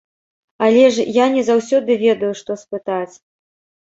Але ж я не заўсёды ведаю, што спытаць.